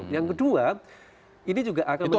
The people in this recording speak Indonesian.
yang kedua ini juga akan menjadi